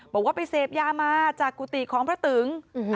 บอกว่าไปเสพยามาจากกุฏิของพระตึง